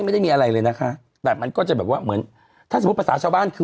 ไม่ได้มีอะไรเลยนะคะแต่มันก็จะแบบว่าเหมือนถ้าสมมุติภาษาชาวบ้านคือ